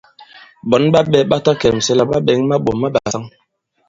Ɓɔ̌n ɓa ɓɛ̄ ɓa ta kɛ̀msɛ la ɓa ɓɛ̌ŋ maɓɔ̀ ma ɓàsaŋ.